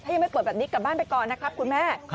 ถ้ายังไม่เปิดแบบนี้กลับบ้านไปก่อนนะครับคุณแม่